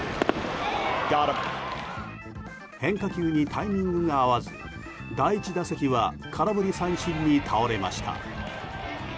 変化球にタイミングが合わず第１打席は空振り三振に倒れました。